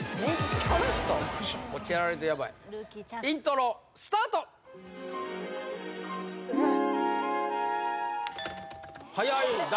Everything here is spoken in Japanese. こっちやられるとヤバいイントロスタートはやい誰？